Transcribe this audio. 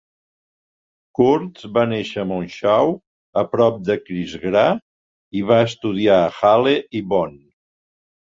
Kurtz va néixer a Monschau, a prop d'Aquisgrà, i va estudiar a Halle i Bonn.